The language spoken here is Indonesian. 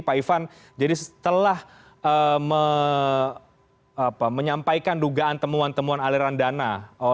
pak ivan jadi setelah menyampaikan dugaan temuan temuan aliran dana